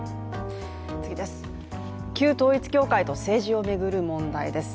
旧統一教会と政治を巡る問題です。